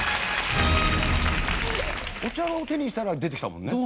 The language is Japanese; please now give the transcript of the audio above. お茶を手にしたら出てきたもんね。